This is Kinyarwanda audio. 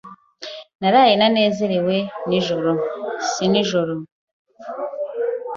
Naraye ntanezerewe snijoro.